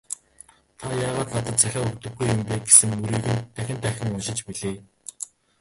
"Та яагаад надад захиа өгдөггүй юм бэ» гэсэн мөрийг нь дахин дахин уншиж билээ.